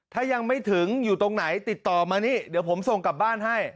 ถ้ายังไม่ถึงอยู่ตรงไหนติดต่อมานี่เดี๋ยวผมส่งกลับบ้านให้